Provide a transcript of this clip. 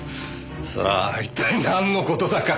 さあ一体なんの事だか。